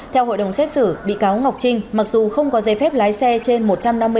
theo hội đồng xét xử bị cáo ngọc trinh mặc dù không có giấy phép lái xe trên một trăm năm mươi tỷ